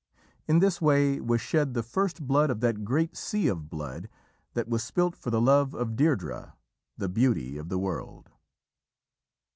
In this way was shed the first blood of that great sea of blood that was spilt for the love of Deirdrê, the Beauty of the World.